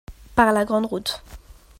par la grande route.